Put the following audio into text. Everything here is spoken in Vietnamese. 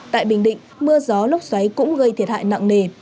tại bình định mưa gió lốc xoáy cũng gây thiệt hại nặng nề